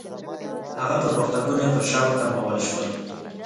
هغه پرمختګونه پر شا وتمبول شول.